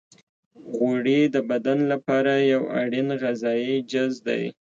غوړې د بدن لپاره یو اړین غذایي جز دی.